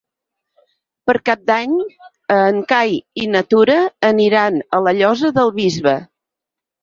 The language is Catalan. Per Cap d'Any en Cai i na Tura aniran a la Llosa del Bisbe.